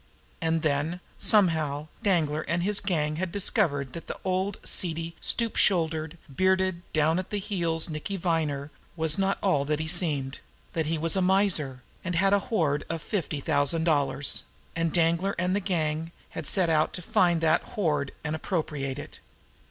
And then, somehow, Danglar and the gang had discovered that the old, seedy, stoop shouldered, bearded, down at the heels Nicky Viner was not all that he seemed; that he was a miser, and had a hoard of fifty thousand dollars and Danglar and the gang had set out to find that hoard and appropriate it.